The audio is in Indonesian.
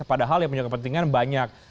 padahal yang punya kepentingan banyak